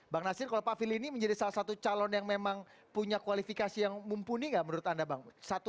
bang nasir kalau pak fili ini menjadi salah satu calon yang memang punya kualifikasi yang mumpuni nggak menurut anda bang